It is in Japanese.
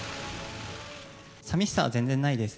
さみしさは全然ないです。